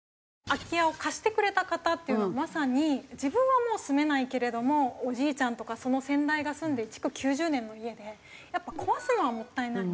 空き家を貸してくれた方っていうのもまさに自分はもう住めないけれどもおじいちゃんとかその先代が住んで築９０年の家で「やっぱ壊すのはもったいないね」。